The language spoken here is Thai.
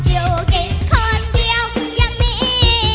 อยู่กินคนเดียวอย่างนี้